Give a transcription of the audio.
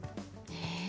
ええ？